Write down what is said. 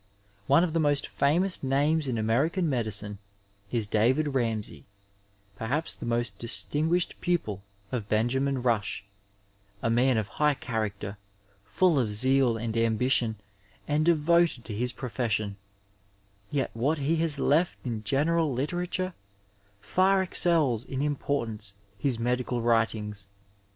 One A& 821 7 Digitized by VjOOQIC SOME ASPECTS OF AMERICAN of the most famous names in American medicine is David Ramsay, perhaps the most distinguished pupil of Ben jamin Rush, a man of high charactei, full of zeal and ambition and devoted to his profession, yet what he has left in general literature far excels in importance his medical writings.